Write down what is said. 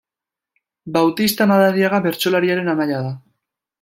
Bautista Madariaga bertsolariaren anaia da.